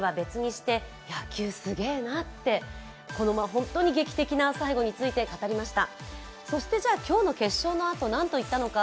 本当に劇的な最後について語りました。